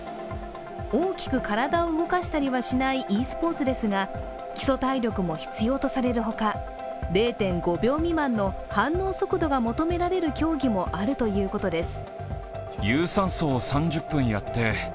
大きく体を動かしたりはしないｅスポーツですが、基礎体力も必要とされるほか０．５秒未満の反応速度が求められる競技もあるということです。